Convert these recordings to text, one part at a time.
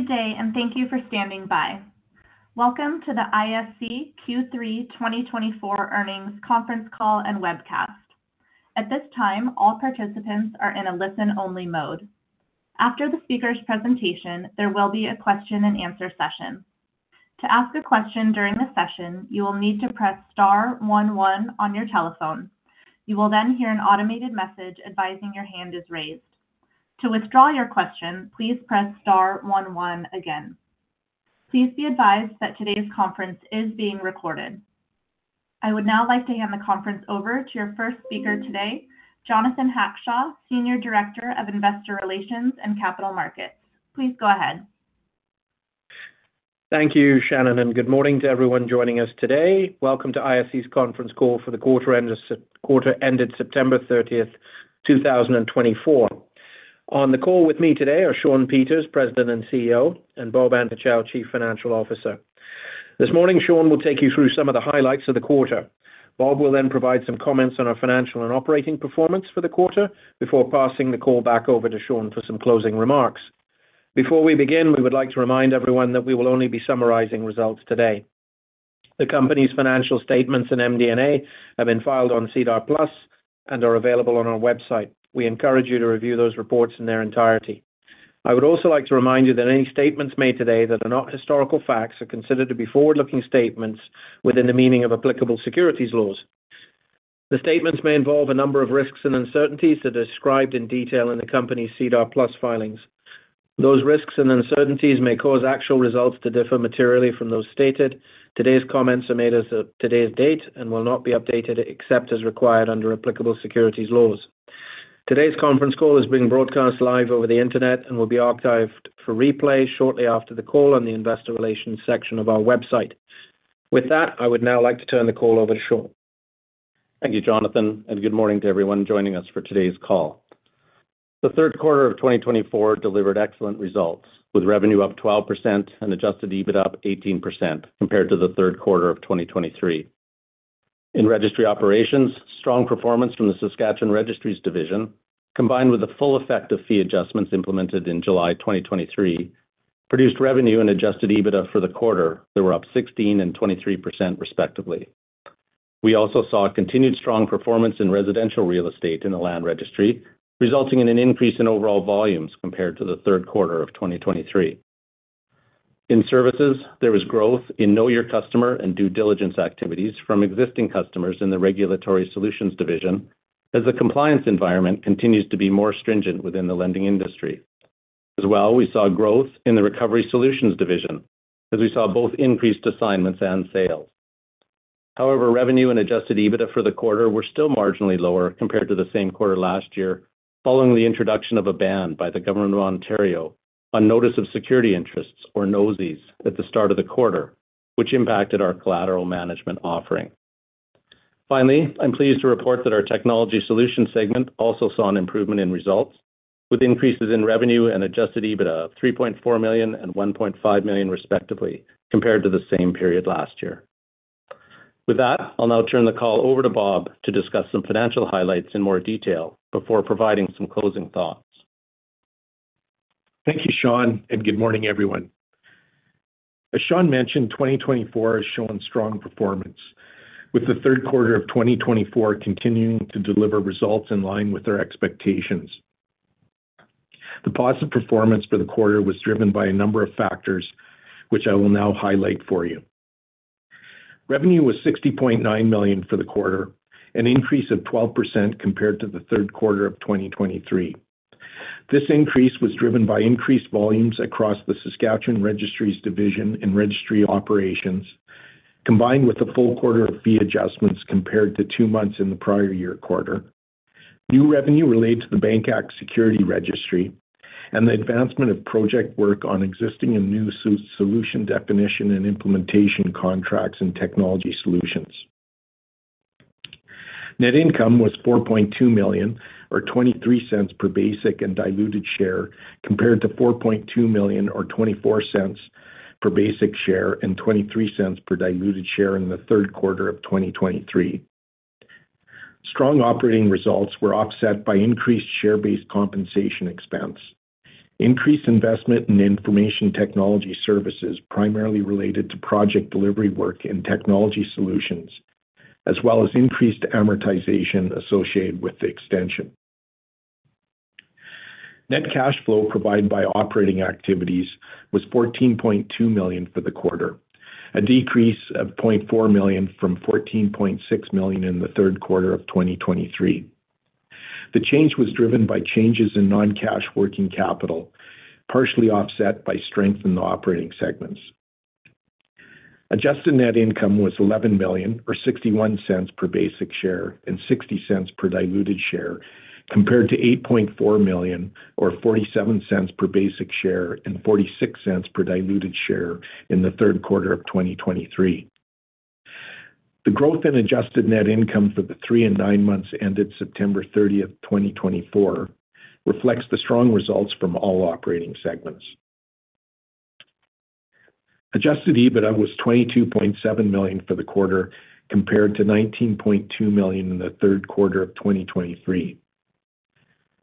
Good day, and thank you for standing by. Welcome to the ISC Q3 2024 earnings conference call and webcast. At this time, all participants are in a listen-only mode. After the speaker's presentation, there will be a question-and-answer session. To ask a question during the session, you will need to press star 11 on your telephone. You will then hear an automated message advising your hand is raised. To withdraw your question, please press star 11 again. Please be advised that today's conference is being recorded. I would now like to hand the conference over to your first speaker today, Jonathan Hackshaw, Senior Director of Investor Relations and Capital Markets. Please go ahead. Thank you, Shannon, and good morning to everyone joining us today. Welcome to ISC's conference call for the quarter ended September 30th, 2024. On the call with me today are Shawn Peters, President and CEO, and Bob Antochow, Chief Financial Officer. This morning, Shawn will take you through some of the highlights of the quarter. Bob will then provide some comments on our financial and operating performance for the quarter before passing the call back over to Shawn for some closing remarks. Before we begin, we would like to remind everyone that we will only be summarizing results today. The company's financial statements and MD&A have been filed on SEDAR+ and are available on our website. We encourage you to review those reports in their entirety. I would also like to remind you that any statements made today that are not historical facts are considered to be forward-looking statements within the meaning of applicable securities laws. The statements may involve a number of risks and uncertainties that are described in detail in the company's SEDAR+ filings. Those risks and uncertainties may cause actual results to differ materially from those stated. Today's comments are made as of today's date and will not be updated except as required under applicable securities laws. Today's conference call is being broadcast live over the internet and will be archived for replay shortly after the call on the Investor Relations section of our website. With that, I would now like to turn the call over to Shawn. Thank you, Jonathan, and good morning to everyone joining us for today's call. The third quarter of 2024 delivered excellent results, with revenue up 12% and adjusted EBITDA up 18% compared to the third quarter of 2023. In Registry Operations, strong performance from the Saskatchewan Registries Division, combined with the full effect of fee adjustments implemented in July 2023, produced revenue and adjusted EBITDA for the quarter that were up 16% and 23% respectively. We also saw continued strong performance in residential real estate in the Land Registry, resulting in an increase in overall volumes compared to the third quarter of 2023. In Services, there was growth in know-your-customer and due diligence activities from existing customers in the Regulatory Solutions Division, as the compliance environment continues to be more stringent within the lending industry. As well, we saw growth in the Recovery Solutions Division, as we saw both increased assignments and sales. However, revenue and Adjusted EBITDA for the quarter were still marginally lower compared to the same quarter last year, following the introduction of a ban by the Government of Ontario on notice of security interests, or NOSIs, at the start of the quarter, which impacted our collateral management offering. Finally, I'm pleased to report that our Technology Solutions segment also saw an improvement in results, with increases in revenue and Adjusted EBITDA of 3.4 million and 1.5 million respectively compared to the same period last year. With that, I'll now turn the call over to Bob to discuss some financial highlights in more detail before providing some closing thoughts. Thank you, Shawn, and good morning, everyone. As Shawn mentioned, 2024 has shown strong performance, with the third quarter of 2024 continuing to deliver results in line with our expectations. The positive performance for the quarter was driven by a number of factors, which I will now highlight for you. Revenue was 60.9 million for the quarter, an increase of 12% compared to the third quarter of 2023. This increase was driven by increased volumes across the Saskatchewan Registries Division and Registry Operations, combined with the full quarter of fee adjustments compared to two months in the prior year quarter, new revenue related to the Bank Act Security Registry, and the advancement of project work on existing and new solution definition and implementation contracts and Technology Solutions. Net income was 4.2 million, or 0.23 per basic and diluted share, compared to 4.2 million, or 0.24 per basic share and 0.23 per diluted share in the third quarter of 2023. Strong operating results were offset by increased share-based compensation expense, increased investment in information technology services primarily related to project delivery work and Technology Solutions Adjusted net income was 11 million, or 0.61 per basic share and 0.60 per diluted share, compared to 8.4 million, or 0.47 per basic share and 0.46 per diluted share in the third quarter of 2023. The growth in adjusted net income for the three and nine months ended September 30th, 2024, reflects the strong results from all operating segments. Adjusted EBITDA was 22.7 million for the quarter, compared to 19.2 million in the third quarter of 2023.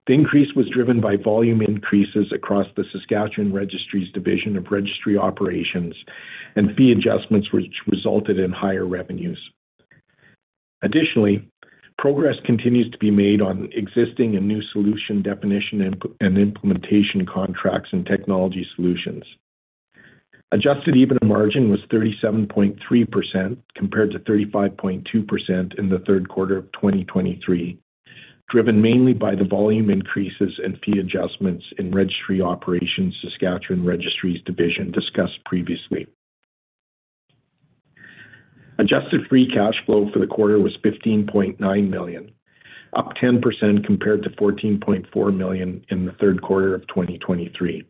The increase was driven by volume increases across the Saskatchewan Registries Division of Registry Operations, and fee adjustments which resulted in higher revenues. Additionally, progress continues to be made on existing and new solution definition and implementation contracts and Technology Solutions. Adjusted EBITDA margin was 37.3% compared to 35.2% in the third quarter of 2023, driven mainly by the volume increases and fee adjustments in Registry Operations, Saskatchewan Registries Division discussed previously. Adjusted free cash flow for the quarter was 15.9 million, up 10% compared to 14.4 million in the third quarter of 2023.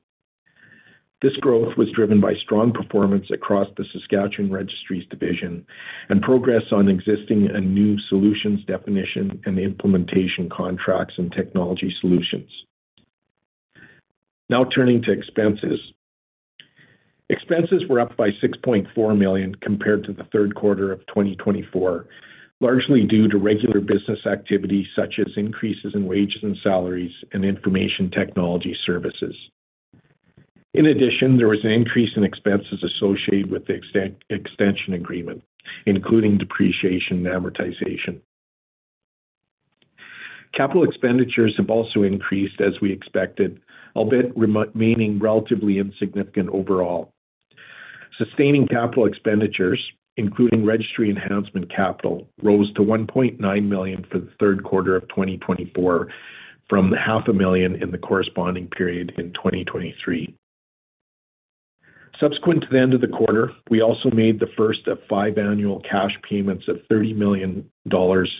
This growth was driven by strong performance across the Saskatchewan Registries Division and progress on existing and new solutions definition and implementation contracts and Technology Solutions. Now turning to expenses. Expenses were up by 6.4 million compared to the third quarter of 2024, largely due to regular business activity such as increases in wages and salaries and information technology services. In addition, there was an increase in expenses associated with the extension agreement, including depreciation and amortization. Capital expenditures have also increased as we expected, albeit remaining relatively insignificant overall. Sustaining capital expenditures, including registry enhancement capital, rose to $1.9 million for the third quarter of 2024 from $0.5 million in the corresponding period in 2023. Subsequent to the end of the quarter, we also made the first of five annual cash payments of $30 million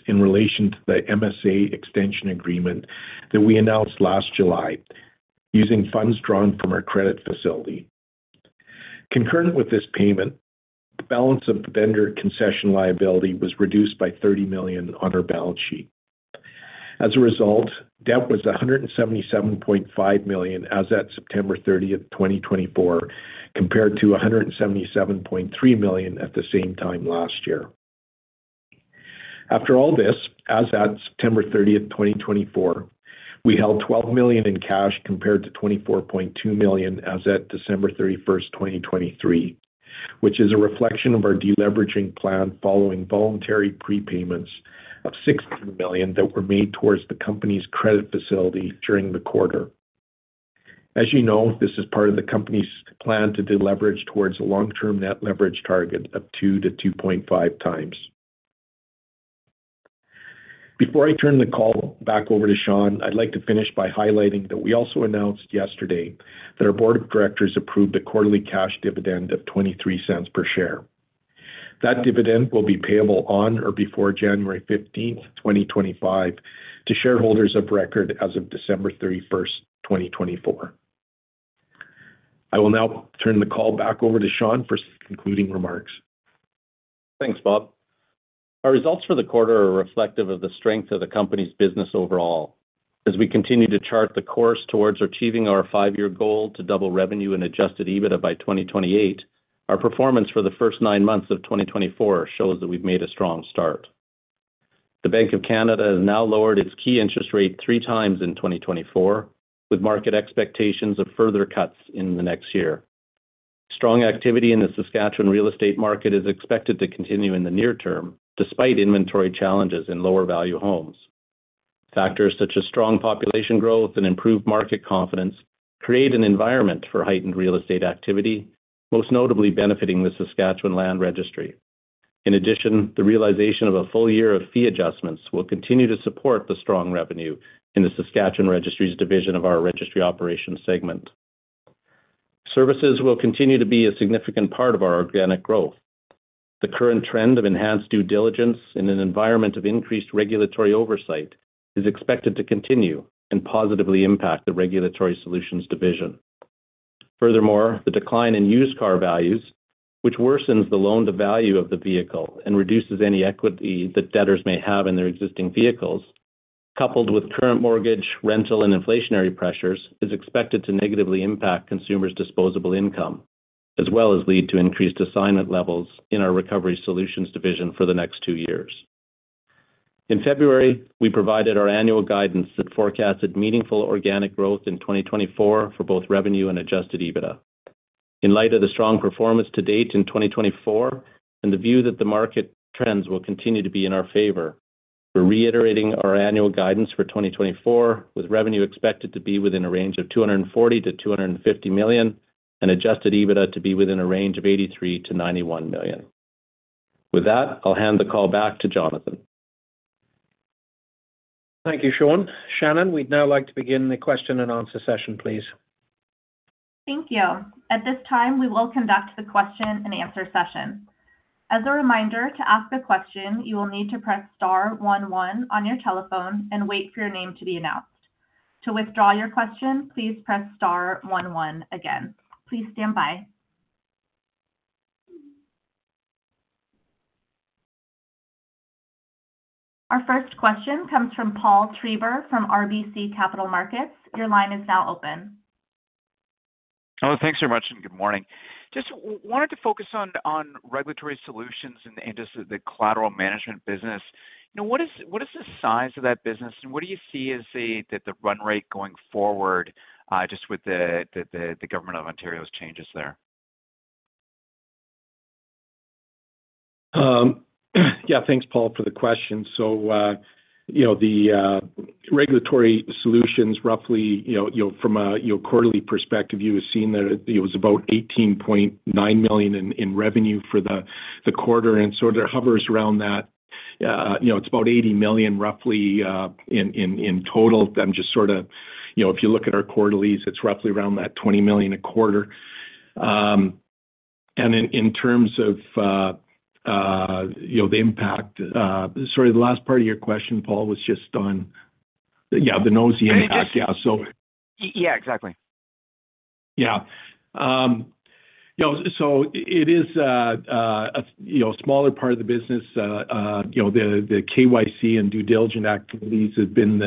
in relation to the MSA extension agreement that we announced last July using funds drawn from our credit facility. Concurrent with this payment, the balance of vendor concession liability was reduced by $30 million on our balance sheet. As a result, debt was $177.5 million as at September 30th, 2024, compared to $177.3 million at the same time last year. After all this, as at September 30th, 2024, we held 12 million in cash compared to 24.2 million as at December 31st, 2023, which is a reflection of our deleveraging plan following voluntary prepayments of 16 million that were made towards the company's credit facility during the quarter. As you know, this is part of the company's plan to deleverage towards a long-term net leverage target of 2-2.5 times. Before I turn the call back over to Shawn, I'd like to finish by highlighting that we also announced yesterday that our Board of Directors approved a quarterly cash dividend of 0.23 per share. That dividend will be payable on or before January 15th, 2025, to shareholders of record as of December 31st, 2024. I will now turn the call back over to Shawn for concluding remarks. Thanks, Bob. Our results for the quarter are reflective of the strength of the company's business overall. As we continue to chart the course towards achieving our five-year goal to double revenue and Adjusted EBITDA by 2028, our performance for the first nine months of 2024 shows that we've made a strong start. The Bank of Canada has now lowered its key interest rate three times in 2024, with market expectations of further cuts in the next year. Strong activity in the Saskatchewan real estate market is expected to continue in the near term, despite inventory challenges in lower-value homes. Factors such as strong population growth and improved market confidence create an environment for heightened real estate activity, most notably benefiting the Saskatchewan Land Registry. In addition, the realization of a full year of fee adjustments will continue to support the strong revenue in the Saskatchewan Registries Division of our Registry Operations segment. Services will continue to be a significant part of our organic growth. The current trend of enhanced due diligence in an environment of increased regulatory oversight is expected to continue and positively impact the Regulatory Solutions Division. Furthermore, the decline in used car values, which worsens the loan-to-value of the vehicle and reduces any equity that debtors may have in their existing vehicles, coupled with current mortgage, rental, and inflationary pressures, is expected to negatively impact consumers' disposable income, as well as lead to increased assignment levels in our Recovery Solutions Division for the next two years. In February, we provided our annual guidance that forecasted meaningful organic growth in 2024 for both revenue and Adjusted EBITDA. In light of the strong performance to date in 2024 and the view that the market trends will continue to be in our favor, we're reiterating our annual guidance for 2024, with revenue expected to be within a range of 240 million-250 million and Adjusted EBITDA to be within a range of 83 million-91 million. With that, I'll hand the call back to Jonathan. Thank you, Shawn. Shannon, we'd now like to begin the question and answer session, please. Thank you. At this time, we will conduct the question and answer session. As a reminder, to ask a question, you will need to press star 11 on your telephone and wait for your name to be announced. To withdraw your question, please press star 11 again. Please stand by. Our first question comes from Paul Treiber from RBC Capital Markets. Your line is now open. Hello. Thanks very much and good morning. Just wanted to focus on regulatory solutions and just the collateral management business. What is the size of that business, and what do you see as the run rate going forward just with the Government of Ontario's changes there? Yeah, thanks, Paul, for the question. So the regulatory solutions, roughly, from a quarterly perspective, you would see that it was about 18.9 million in revenue for the quarter, and sort of hovers around that. It's about 80 million, roughly, in total. I'm just sort of, if you look at our quarterlies, it's roughly around that 20 million a quarter. And in terms of the impact, sorry, the last part of your question, Paul, was just on, yeah, the NOSI impact. Yeah, so. Yeah, exactly. Yeah. So it is a smaller part of the business. The KYC and due diligence activities have been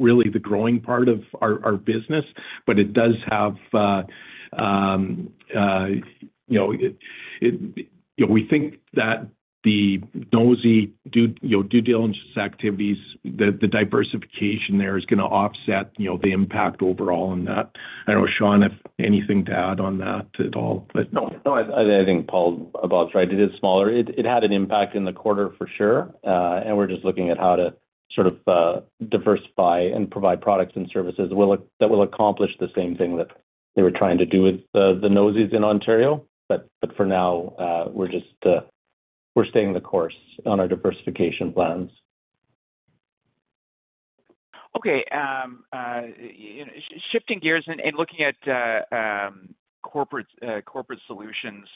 really the growing part of our business, but it does have we think that the NOSI due diligence activities, the diversification there is going to offset the impact overall in that. I don't know, Shawn, if anything to add on that at all, but. No, I think, Paul, Bob's right. It is smaller. It had an impact in the quarter for sure, and we're just looking at how to sort of diversify and provide products and services that will accomplish the same thing that they were trying to do with the NOSIs in Ontario. But for now, we're staying the course on our diversification plans. Okay. Shifting gears and looking at Corporate Solutions,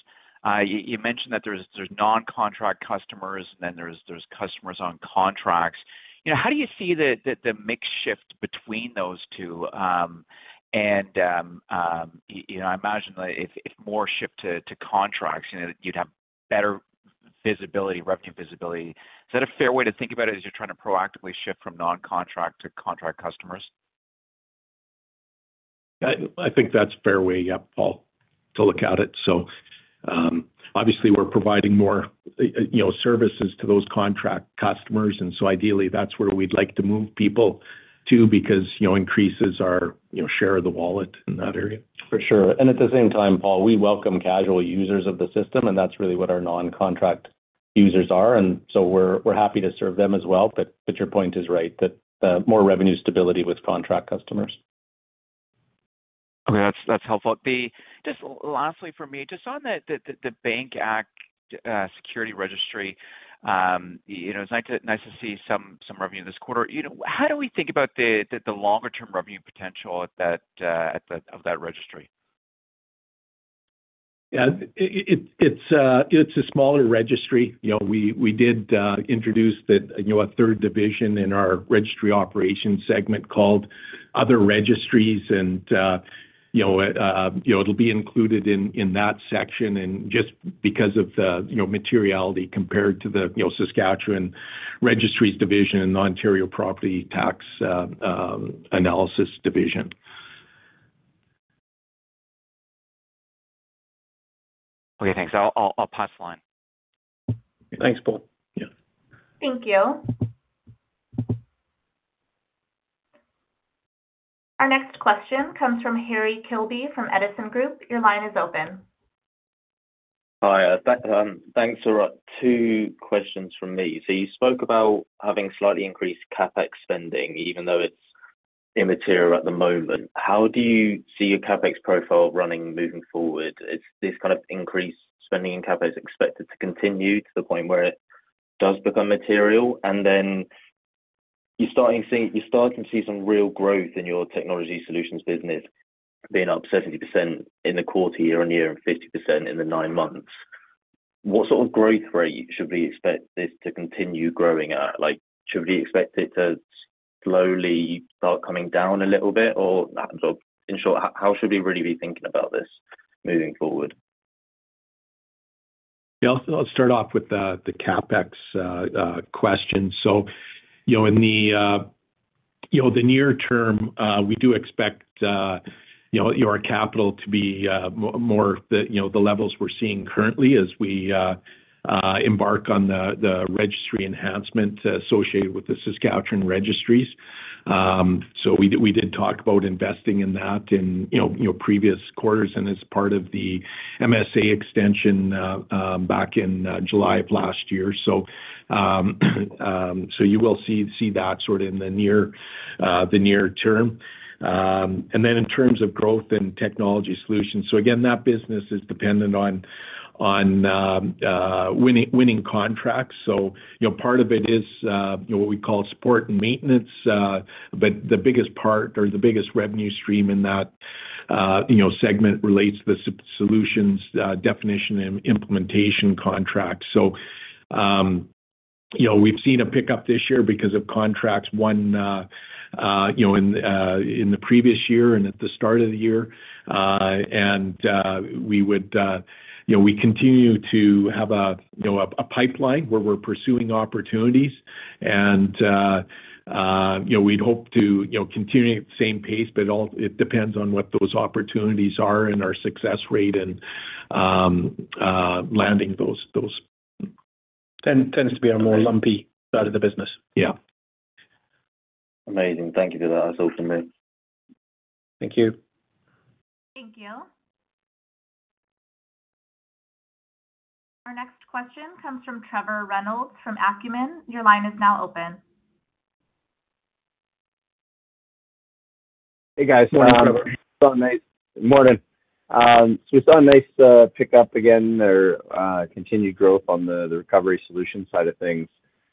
you mentioned that there's non-contract customers, and then there's customers on contracts. How do you see the mix shift between those two? And I imagine that if more shift to contracts, you'd have better revenue visibility. Is that a fair way to think about it as you're trying to proactively shift from non-contract to contract customers? I think that's a fair way, yeah, Paul, to look at it. So obviously, we're providing more services to those contract customers, and so ideally, that's where we'd like to move people to because increases our share of the wallet in that area. For sure. And at the same time, Paul, we welcome casual users of the system, and that's really what our non-contract users are. And so we're happy to serve them as well. But your point is right, that more revenue stability with contract customers. Okay. That's helpful. Just lastly for me, just on the Bank Act Security Registry, it's nice to see some revenue this quarter. How do we think about the longer-term revenue potential of that registry? Yeah. It's a smaller registry. We did introduce a third division in our registry operations segment called Other Registries, and it'll be included in that section just because of the materiality compared to the Saskatchewan Registries Division and the Ontario Property Tax Analysis Division. Okay. Thanks. I'll pass the line. Thanks, Paul. Yeah. Thank you. Our next question comes from Harry Kilby from Edison Group. Your line is open. Hi. Thanks for two questions from me. So you spoke about having slightly increased CapEx spending, even though it's immaterial at the moment. How do you see your CapEx profile running moving forward? Is this kind of increased spending in CapEx expected to continue to the point where it does become material? And then you're starting to see some real growth in your Technology Solutions business, being up 70% in the quarter year-over-year and 50% in the nine months. What sort of growth rate should we expect this to continue growing at? Should we expect it to slowly start coming down a little bit? Or in short, how should we really be thinking about this moving forward? Yeah. I'll start off with the CapEx question. So in the near term, we do expect our capital to be more the levels we're seeing currently as we embark on the registry enhancement associated with the Saskatchewan Registries. So we did talk about investing in that in previous quarters and as part of the MSA extension back in July of last year. So you will see that sort of in the near term. And then in terms of growth and Technology Solutions, so again, that business is dependent on winning contracts. So part of it is what we call support and maintenance, but the biggest part or the biggest revenue stream in that segment relates to the solutions definition and implementation contracts. So we've seen a pickup this year because of contracts won in the previous year and at the start of the year. We would continue to have a pipeline where we're pursuing opportunities, and we'd hope to continue at the same pace, but it depends on what those opportunities are and our success rate in landing those. Tends to be our more lumpy side of the business. Yeah. Amazing. Thank you for that. That's awesome. Thank you. Thank you. Our next question comes from Trevor Reynolds from Acumen. Your line is now open. Hey, guys. Hey, Trevor. It's all nice. Good morning. So we saw a nice pickup again, or continued growth on the Recovery Solutions side of things.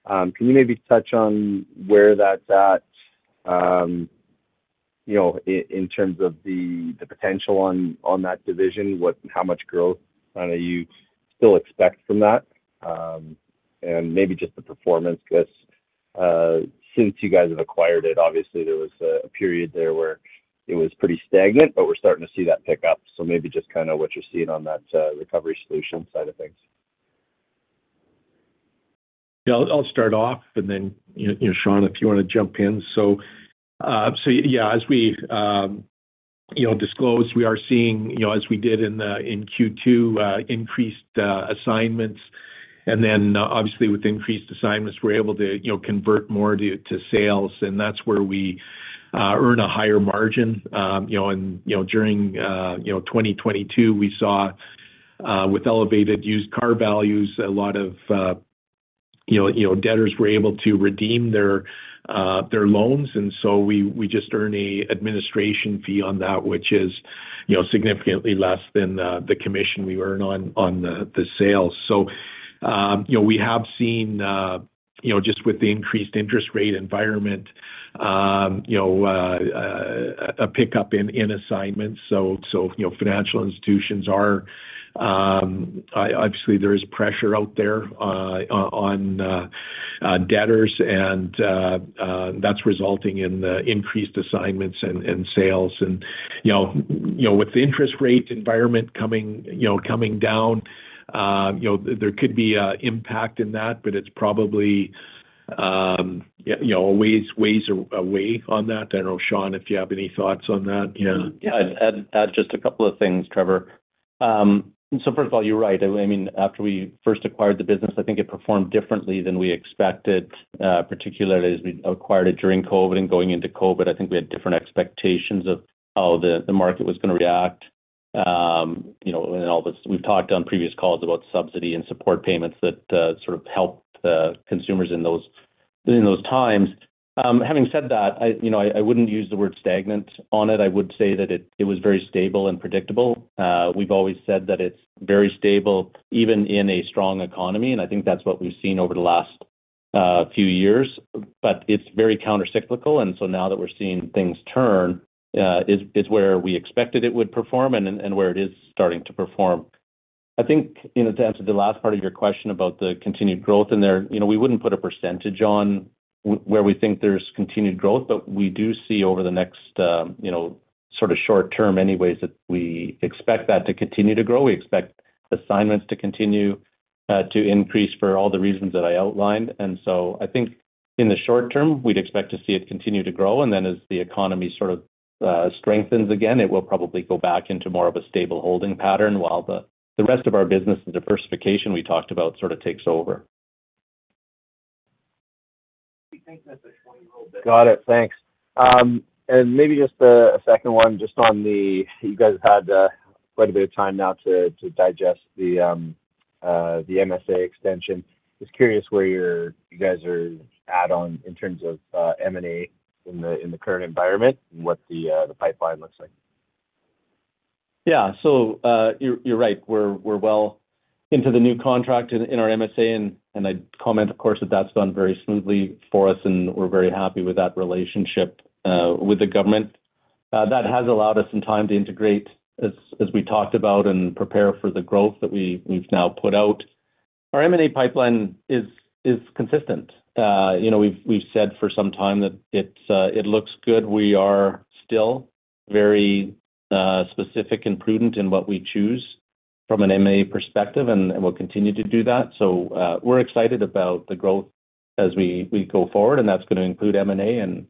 Can you maybe touch on where that's at in terms of the potential on that division? How much growth kind of you still expect from that? And maybe just the performance, because since you guys have acquired it, obviously, there was a period there where it was pretty stagnant, but we're starting to see that pick up. So maybe just kind of what you're seeing on that Recovery Solutions side of things. Yeah. I'll start off, and then Shawn, if you want to jump in. So yeah, as we disclosed, we are seeing, as we did in Q2, increased assignments. And then obviously, with increased assignments, we're able to convert more to sales, and that's where we earn a higher margin. And during 2022, we saw with elevated used car values, a lot of debtors were able to redeem their loans. And so we just earned an administration fee on that, which is significantly less than the commission we earn on the sales. So we have seen, just with the increased interest rate environment, a pickup in assignments. So financial institutions are obviously, there is pressure out there on debtors, and that's resulting in increased assignments and sales. And with the interest rate environment coming down, there could be an impact in that, but it's probably a ways away on that. I don't know, Shawn, if you have any thoughts on that. Yeah. Yeah. I'd add just a couple of things, Trevor. So first of all, you're right. I mean, after we first acquired the business, I think it performed differently than we expected, particularly as we acquired it during COVID and going into COVID. I think we had different expectations of how the market was going to react. And we've talked on previous calls about subsidy and support payments that sort of helped consumers in those times. Having said that, I wouldn't use the word stagnant on it. I would say that it was very stable and predictable. We've always said that it's very stable even in a strong economy, and I think that's what we've seen over the last few years. But it's very countercyclical, and so now that we're seeing things turn, it's where we expected it would perform and where it is starting to perform. I think to answer the last part of your question about the continued growth in there, we wouldn't put a percentage on where we think there's continued growth, but we do see over the next sort of short term anyways that we expect that to continue to grow. We expect assignments to continue to increase for all the reasons that I outlined. And so I think in the short term, we'd expect to see it continue to grow. And then as the economy sort of strengthens again, it will probably go back into more of a stable holding pattern while the rest of our business and diversification we talked about sort of takes over. Got it. Thanks. And maybe just a second one, just on you guys have had quite a bit of time now to digest the MSA extension. Just curious where you guys are at in terms of M&A in the current environment and what the pipeline looks like? Yeah. So you're right. We're well into the new contract in our MSA, and I'd comment, of course, that that's done very smoothly for us, and we're very happy with that relationship with the government. That has allowed us some time to integrate, as we talked about, and prepare for the growth that we've now put out. Our M&A pipeline is consistent. We've said for some time that it looks good. We are still very specific and prudent in what we choose from an M&A perspective, and we'll continue to do that. So we're excited about the growth as we go forward, and that's going to include M&A. And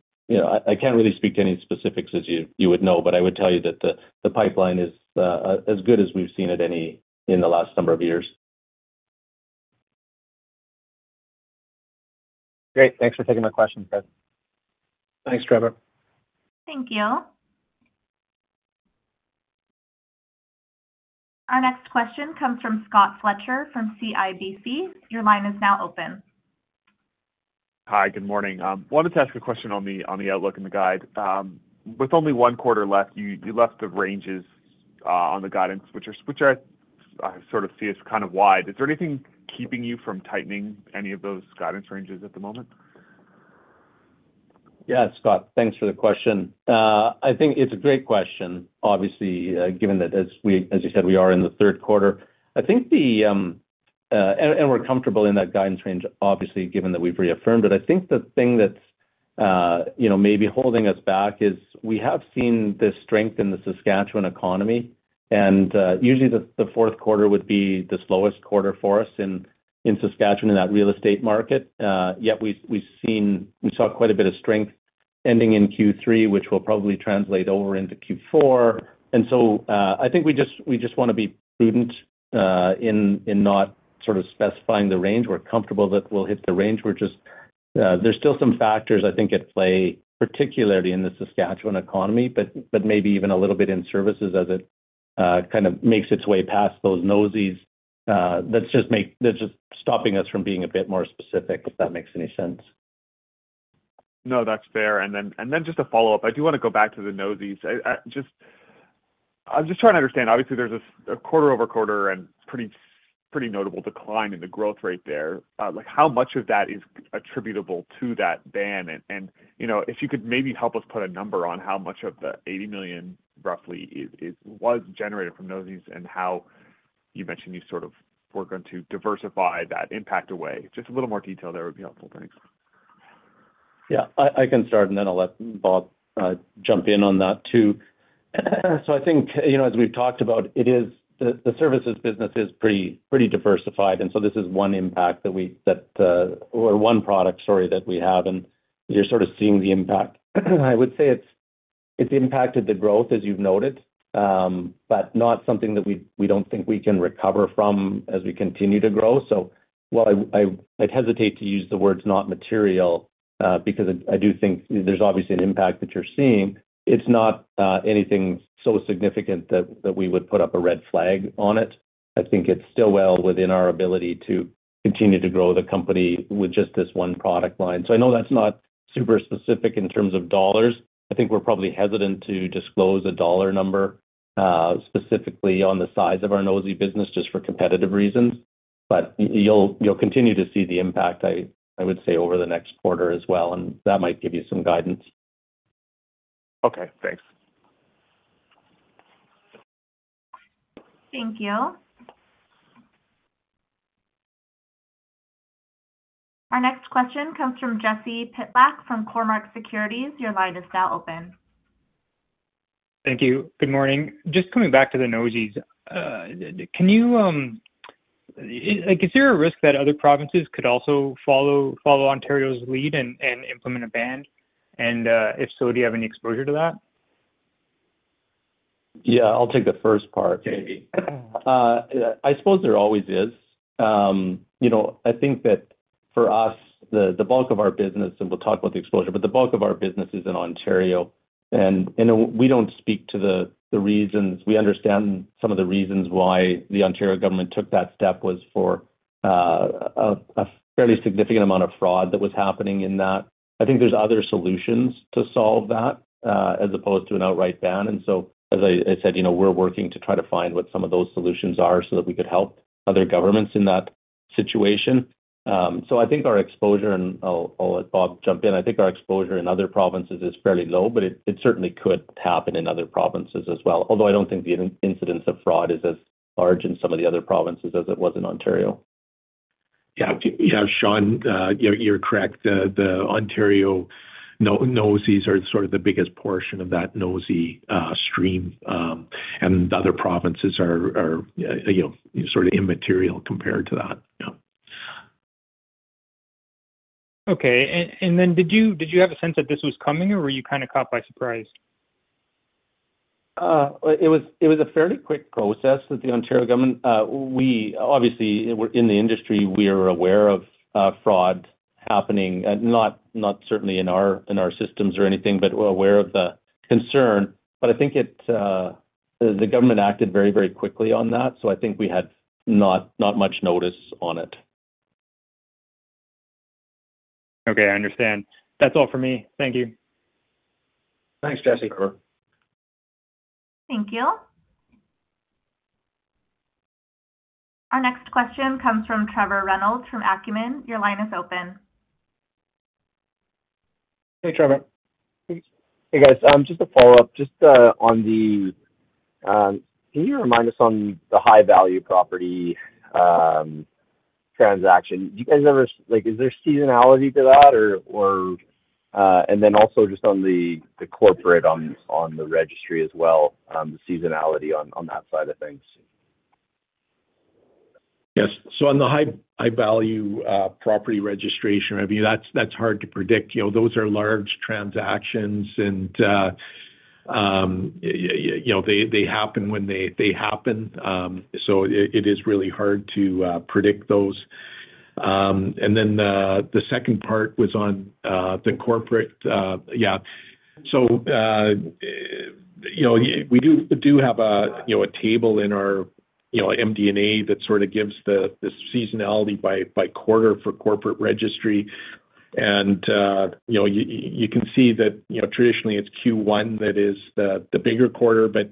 I can't really speak to any specifics, as you would know, but I would tell you that the pipeline is as good as we've seen it any in the last number of years. Great. Thanks for taking my question, Shawn. Thanks, Trevor. Thank you. Our next question comes from Scott Fletcher from CIBC. Your line is now open. Hi. Good morning. Wanted to ask a question on the outlook and the guide. With only one quarter left, you left the ranges on the guidance, which I sort of see as kind of wide. Is there anything keeping you from tightening any of those guidance ranges at the moment? Yeah, Scott, thanks for the question. I think it's a great question, obviously, given that, as you said, we are in the third quarter. I think, and we're comfortable in that guidance range, obviously, given that we've reaffirmed it. I think the thing that's maybe holding us back is we have seen this strength in the Saskatchewan economy, and usually, the fourth quarter would be the slowest quarter for us in Saskatchewan in that real estate market. Yet we saw quite a bit of strength ending in Q3, which will probably translate over into Q4, and so I think we just want to be prudent in not sort of specifying the range. We're comfortable that we'll hit the range. There's still some factors, I think, at play, particularly in the Saskatchewan economy, but maybe even a little bit in services as it kind of makes its way past those NOSIs. That's just stopping us from being a bit more specific, if that makes any sense. No, that's fair. And then just to follow up, I do want to go back to theNOSIs. I'm just trying to understand. Obviously, there's a quarter-over-quarter and pretty notable decline in the growth rate there. How much of that is attributable to that ban? And if you could maybe help us put a number on how much of the 80 million, roughly, was generated from NOSIs and how you mentioned you sort of were going to diversify that impact away. Just a little more detail there would be helpful. Thanks. Yeah. I can start, and then I'll let Bob jump in on that too. So I think, as we've talked about, the services business is pretty diversified, and so this is one impact that we or one product story that we have, and you're sort of seeing the impact. I would say it's impacted the growth, as you've noted, but not something that we don't think we can recover from as we continue to grow. So while I'd hesitate to use the words not material, because I do think there's obviously an impact that you're seeing, it's not anything so significant that we would put up a red flag on it. I think it's still well within our ability to continue to grow the company with just this one product line. So I know that's not super specific in terms of dollars. I think we're probably hesitant to disclose a dollar number specifically on the size of our NOSI business just for competitive reasons. But you'll continue to see the impact, I would say, over the next quarter as well, and that might give you some guidance. Okay. Thanks. Thank you. Our next question comes from Jesse Pytlak from Cormark Securities. Your line is now open. Thank you. Good morning. Just coming back to the NOSIs. Is there a risk that other provinces could also follow Ontario's lead and implement a ban? And if so, do you have any exposure to that? Yeah. I'll take the first part. I suppose there always is. I think that for us, the bulk of our business, and we'll talk about the exposure, but the bulk of our business is in Ontario, and we don't speak to the reasons. We understand some of the reasons why the Ontario government took that step was for a fairly significant amount of fraud that was happening in that. I think there's other solutions to solve that as opposed to an outright ban, and so, as I said, we're working to try to find what some of those solutions are so that we could help other governments in that situation, so I think our exposure, and I'll let Bob jump in. I think our exposure in other provinces is fairly low, but it certainly could happen in other provinces as well, although I don't think the incidence of fraud is as large in some of the other provinces as it was in Ontario. Yeah. Yeah, Shawn, you're correct. The Ontario NOSIs are sort of the biggest portion of that NOSI stream, and other provinces are sort of immaterial compared to that. Yeah. Okay, and then did you have a sense that this was coming, or were you kind of caught by surprise? It was a fairly quick process that the Ontario government, obviously, in the industry, we are aware of fraud happening, not certainly in our systems or anything, but aware of the concern, but I think the government acted very, very quickly on that, so I think we had not much notice on it. Okay. I understand. That's all for me. Thank you. Thanks, Jesse. Thank you. Our next question comes from Trevor Reynolds from Acumen. Your line is open. Hey, Trevor. Hey, guys. Just a follow-up. Just on the, can you remind us on the high-value property transaction? Is there seasonality to that? And then also just on the corporate registry as well, the seasonality on that side of things. Yes, so on the high-value property registration, I mean, that's hard to predict. Those are large transactions, and they happen when they happen. So it is really hard to predict those. And then the second part was on the corporate. Yeah, so we do have a table in our MD&A that sort of gives the seasonality by quarter for corporate registry. And you can see that traditionally, it's Q1 that is the bigger quarter, but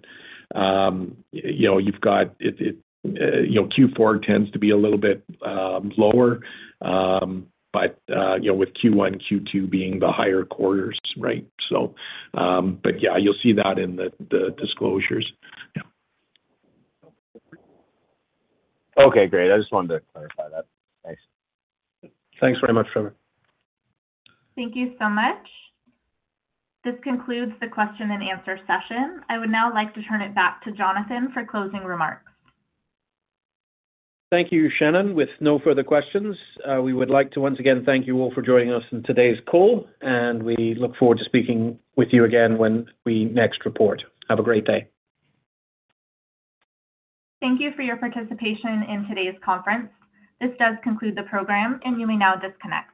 you've got Q4 tends to be a little bit lower, but with Q1, Q2 being the higher quarters, right? But yeah, you'll see that in the disclosures. Yeah. Okay. Great. I just wanted to clarify that. Thanks. Thanks very much, Trevor. Thank you so much. This concludes the question-and-answer session. I would now like to turn it back to Jonathan for closing remarks. Thank you, Shannon. With no further questions, we would like to once again thank you all for joining us in today's call, and we look forward to speaking with you again when we next report. Have a great day. Thank you for your participation in today's conference. This does conclude the program, and you may now disconnect.